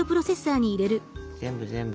全部全部。